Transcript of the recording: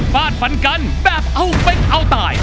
ฟาดฟันกันแบบเอาเป็นเอาตาย